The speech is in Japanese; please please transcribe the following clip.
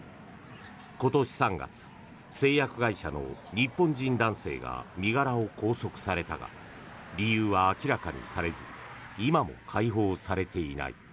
今年３月製薬会社の日本人男性が身柄を拘束されたが理由は明らかにされず今も解放されていない。